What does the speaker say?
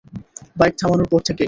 Bike থামানোর পর থেকেই।